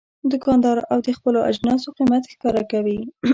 دوکاندار د خپلو اجناسو قیمت ښکاره کوي.